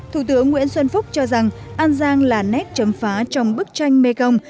thủ tướng nguyễn xuân phúc cho rằng an giang là nét chấm phá trong bức tranh mekong